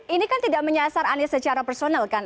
ini kan tidak menyasar anies secara personal kan